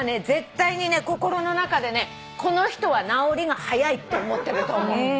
絶対にね心の中でねこの人は治りが早いって思ってると思う。ね？